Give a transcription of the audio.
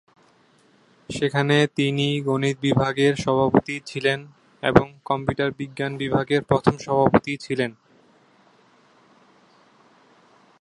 সেখানে তিনি গণিত বিভাগের সভাপতি ছিলেন এবং কম্পিউটার বিজ্ঞান বিভাগের প্রথম সভাপতি ছিলেন।